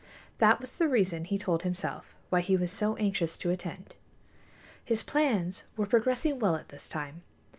That was the reason, he told himself, why he was so anxious to attend. His plans were progressing well at this time.